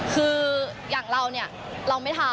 คืออย่างเราเนี่ยเราไม่ทำ